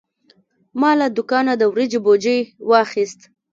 ما له دوکانه د وریجو بوجي واخیست.